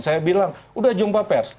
saya bilang udah jumpa pers